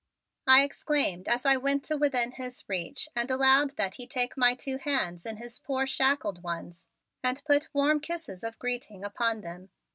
I exclaimed as I went to within his reach and allowed that he take my two hands in his poor shackled ones and put warm kisses of greeting upon them.